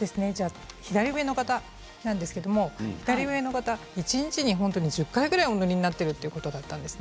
左上の方ですけれど左上の方は一日に１０回ぐらいお塗りになっているということだったんです。